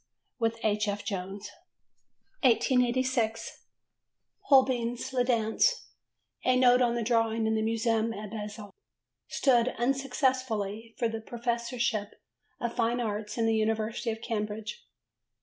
with H. F. Jones. 1886. Holbein's La Danse: a note on a drawing in the Museum at Basel. Stood, unsuccessfully, for the Professorship of Fine Arts in the University of Cambridge.